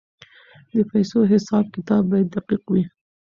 د پیسو حساب کتاب باید دقیق وي.